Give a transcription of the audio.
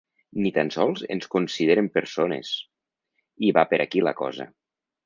Ni tan sols ens consideren persones i va per aquí la cosa.